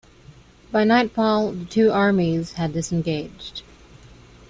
By nightfall the two armies had disengaged.